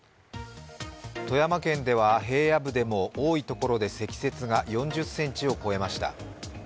富山県では平野部でも多い所で積雪が４０ｃｍを超えました。